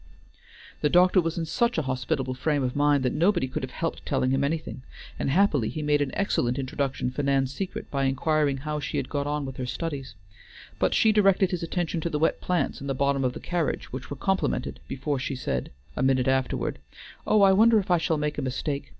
The doctor was in such a hospitable frame of mind that nobody could have helped telling him anything, and happily he made an excellent introduction for Nan's secret by inquiring how she had got on with her studies, but she directed his attention to the wet plants in the bottom of the carriage, which were complimented before she said, a minute afterward, "Oh, I wonder if I shall make a mistake?